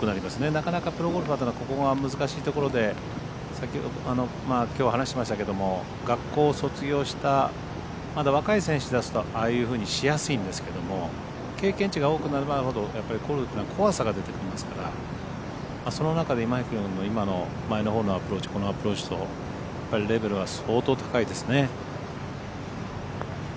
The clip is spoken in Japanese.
なかなかプロゴルファーというのはここが難しいところで学校を卒業したまだ若い選手ですとああいうふうにしやすいんですけども経験値が多くなるほどゴルフというのは怖さが出てきますからその中で今平君の前のホールのアプローチとこのアプローチとやっぱりレベルは相当高いですね。